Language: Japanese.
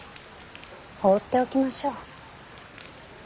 放っておきましょう。